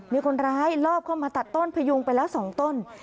มีคนร้ายลอบเข้ามาตัดต้นพยุงไปแล้ว๒ต้น